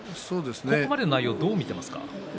ここまでの内容をどう見ていますか？